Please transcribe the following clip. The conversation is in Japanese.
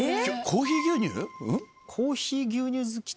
コーヒー牛乳好き。